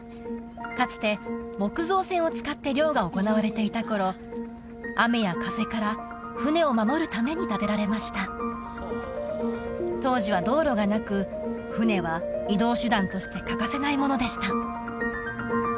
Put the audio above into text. かつて木造船を使って漁が行われていた頃雨や風から舟を守るために建てられました当時は道路がなく舟は移動手段として欠かせないものでした